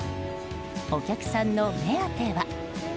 お客さんの目当ては。